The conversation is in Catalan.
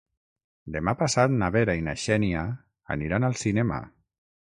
Demà passat na Vera i na Xènia aniran al cinema.